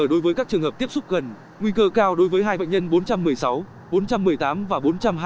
đối với các trường hợp tiếp xúc gần nguy cơ cao đối với hai bệnh nhân bốn trăm một mươi sáu bốn trăm một mươi tám và bốn trăm hai mươi